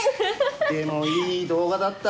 でもいい動画だった。